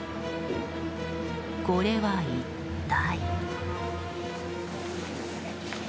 これは一体。